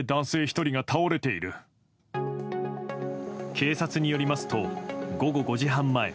警察によりますと午後５時半前